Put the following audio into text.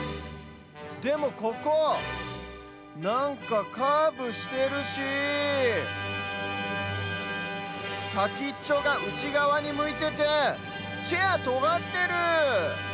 でもここなんかカーブしてるしさきっちょがうちがわにむいててチェアとがってる！